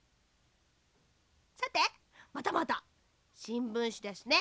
さてまたまたしんぶんしですね。